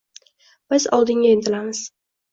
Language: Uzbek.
Biz oldinga intilamiz